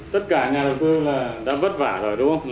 tất cả nhà đầu tư là đang vất vả rồi đúng không